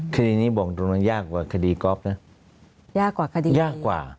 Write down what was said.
คดีนี้บอกตรงนั้นยากกว่าคดีกอล์ฟนะยากกว่าคดียากกว่า